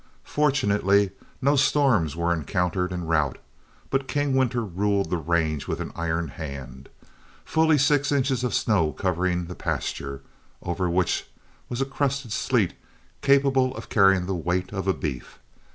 Fortunately no storms were encountered en route, but King Winter ruled the range with an iron hand, fully six inches of snow covering the pasture, over which was a crusted sleet capable of carrying the weight of a beef.